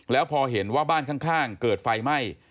แล้วพอเห็นว่าบ้านข้างเกิดไฟไหม้